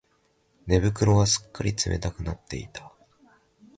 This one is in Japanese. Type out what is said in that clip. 寝袋はすっかり冷たくなっていた